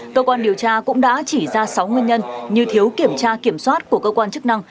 cơ quan điều tra cũng đã chỉ ra sáu nguyên nhân như thiếu kiểm tra kiểm soát của cơ quan chức năng